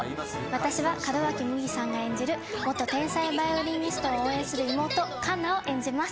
私は門脇麦さんが演じる元天才ヴァイオリニストを応援する妹奏奈を演じます。